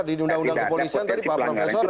di undang undang kepolisian tadi pak profesor